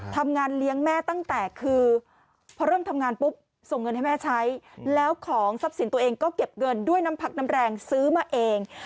ทำงานเลี้ยงแม่ตั้งแต่คือพอเริ่มทำงานปุ๊บส่งเงินให้แม่ใช้แล้วของทรัพย์สินตัวเองก็เก็บเงินด้วยน้ำพักน้ำแรงซื้อมาเอง